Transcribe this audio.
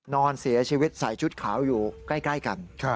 นอนเสียชีวิตใส่ชุดขาวอยู่ใกล้กัน